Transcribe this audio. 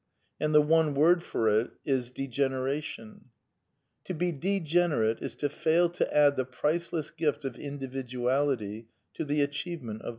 And the one word for it is Degeneration, To be degener ate is to fai l to a dd the priceless ffiftofinr di viduality tothe achievemen t of